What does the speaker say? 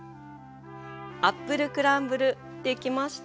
アップルクランブルできました。